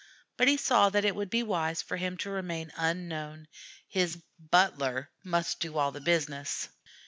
But he saw that it would be wise for him to remain unknown; his "butler" must do all the business.